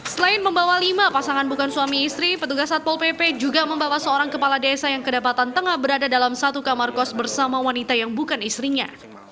selain membawa lima pasangan bukan suami istri petugas satpol pp juga membawa seorang kepala desa yang kedapatan tengah berada dalam satu kamar kos bersama wanita yang bukan istrinya